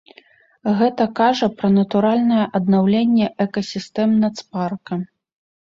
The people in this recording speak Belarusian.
Гэта кажа пра натуральнае аднаўленне экасістэм нацпарка.